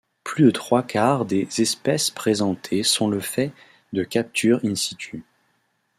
Plus des trois quart des espèces présentées sont le fait de capture in situ.